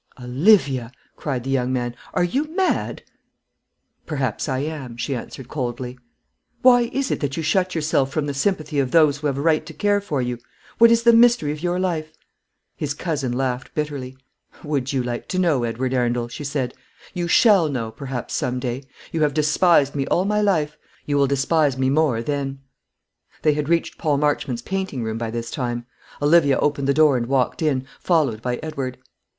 "Olivia," cried the young man, "are you mad?" "Perhaps I am," she answered, coldly. "Why is it that you shut yourself from the sympathy of those who have a right to care for you? What is the mystery of your life?" His cousin laughed bitterly. "Would you like to know, Edward Arundel?" she said. "You shall know, perhaps, some day. You have despised me all my life; you will despise me more then." They had reached Paul Marchmont's painting room by this time. Olivia opened the door and walked in, followed by Edward.